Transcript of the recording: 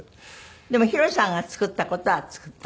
でもＨＩＲＯさんが作った事は作った？